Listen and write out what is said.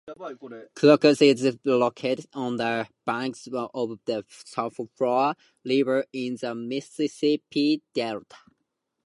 Clarksdale is located on the banks of the Sunflower River in the Mississippi Delta.